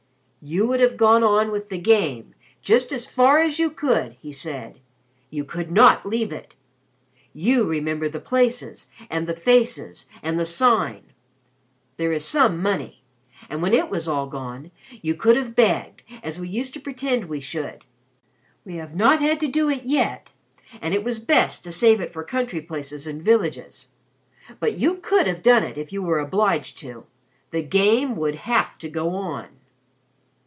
"You would have gone on with the Game just as far as you could," he said. "You could not leave it. You remember the places, and the faces, and the Sign. There is some money; and when it was all gone, you could have begged, as we used to pretend we should. We have not had to do it yet; and it was best to save it for country places and villages. But you could have done it if you were obliged to. The Game would have to go on."